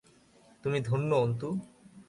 তুমি ধন্য অন্তু!